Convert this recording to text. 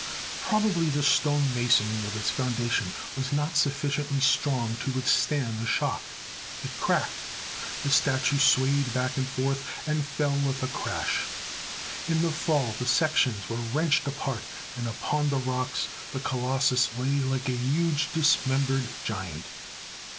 Probably the stone masonry of its foundation was not sufficiently strong to withstand the shock. It cracked ; the statue swayed back and forth, and fell with a crash. In the fall the sec tions were wrenched apart, and upon the rocks the Colossus lay like a huge dismembered giant.